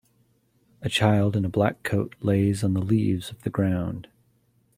A child in a black coat lays on the leaves on the ground.